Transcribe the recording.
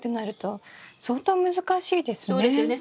そうですよね。